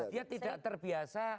dia tidak terbiasa